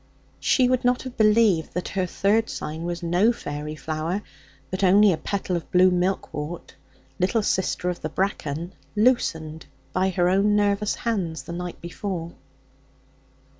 She would not have believed that her third sign was no faery flower, but only a petal of blue milk wort little sister of the bracken loosened by her own nervous hands the night before.